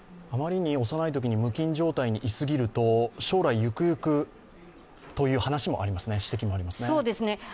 あまりに幼いときに無菌状態にいすぎると、将来、ゆくゆくという指摘もありますね。